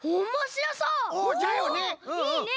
いいね！